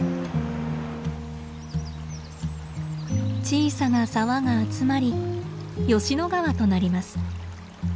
小さな沢が集まり吉野川となります。